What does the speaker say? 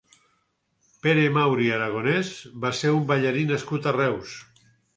Pere Mauri Aragonès va ser un ballarí nascut a Reus.